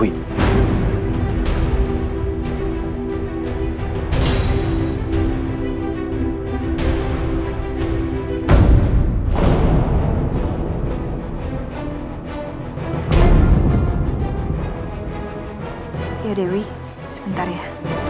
iya dewi sebentar ya